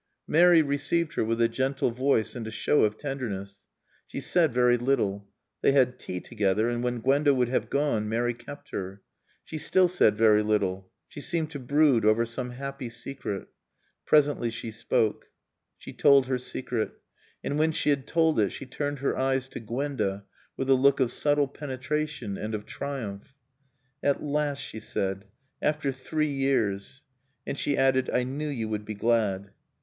Mary received her with a gentle voice and a show of tenderness. She said very little. They had tea together, and when Gwenda would have gone Mary kept her. She still said very little. She seemed to brood over some happy secret. Presently she spoke. She told her secret. And when she had told it she turned her eyes to Gwenda with a look of subtle penetration and of triumph. "At last," she said, "After three years." And she added, "I knew you would be glad."